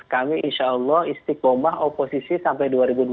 kami insya allah istiqomah oposisi sampai dua ribu dua puluh